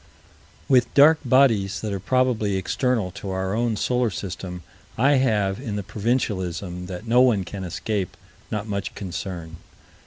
With dark bodies that are probably external to our own solar system, I have, in the provincialism that no one can escape, not much concern.